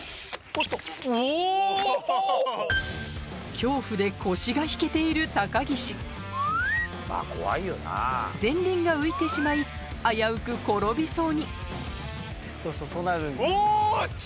恐怖で腰が引けている高岸前輪が浮いてしまい危うく転びそうにお！